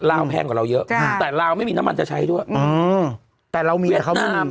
ลาวแพงกว่าเราเยอะแต่ลาวไม่มีน้ำมันจะใช้ด้วยอ๋อแต่เรามีเวียดนาม